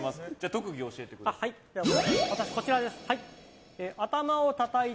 特技を教えてください。